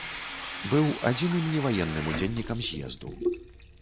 Быў адзіным неваенным удзельнікам з'езду.